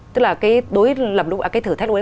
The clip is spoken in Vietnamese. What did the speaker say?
tức là cái thử thách lúc đấy